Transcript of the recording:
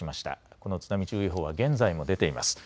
この津波注意報は現在も出ています。